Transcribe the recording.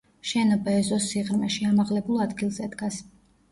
შენობა ეზოს სიღრმეში, ამაღლებულ ადგილზე დგას.